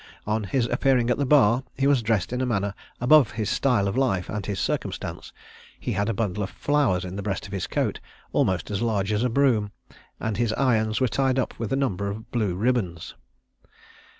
On his appearing at the bar, he was dressed in a manner above his style of life and his circumstances. He had a bundle of flowers in the breast of his coat almost as large as a broom; and his irons were tied up with a number of blue ribands.